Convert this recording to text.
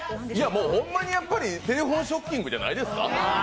ホンマにテレフォンショッキングじゃないですか？